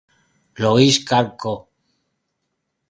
Louis Car Co.